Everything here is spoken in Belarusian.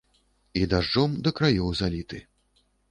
І дажджом да краёў заліты.